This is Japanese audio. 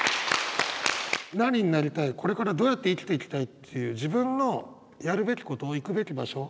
何になりたいこれからどうやって生きていきたいっていう自分のやるべきこと行くべき場所